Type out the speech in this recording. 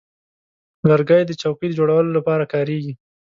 لرګی د چوکۍ جوړولو لپاره کارېږي.